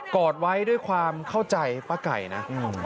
อดไว้ด้วยความเข้าใจป้าไก่นะ